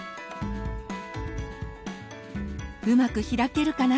うまく開けるかな？